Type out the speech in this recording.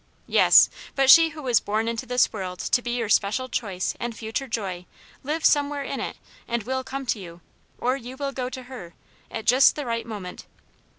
Yes! but she who was born into this world to be your special choice and^* future joy lives somewhere in it, ahd will come to you, or you will go to her, at just the right moment..